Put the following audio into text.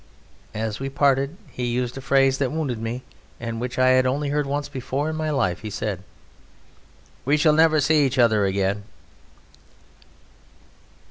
As we parted he used a phrase that wounded me, and which I had only heard once before in my life. He said: "We shall never see each other again!"